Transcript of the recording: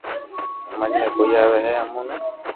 ھمج ۾ ڪوئي آوي ھي اموني